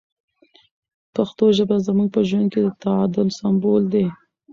پښتو ژبه زموږ په ژوند کې د تعادل سمبول دی.